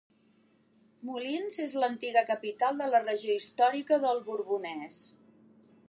Moulins és l'antiga capital de la regió històrica del Borbonès.